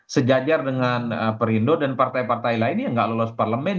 sejajar dengan perindo dan partai partai lain yang nggak lolos parlemen